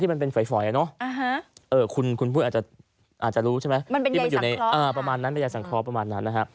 ที่มันเป็นฝ่อยคุณผู้อาจจะรู้ใช่ไหมมันเป็นใยสังเคราะห์ประมาณนั้น